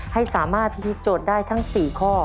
ให้สามารถพิธีโจทย์ได้ทั้ง๔ข้อ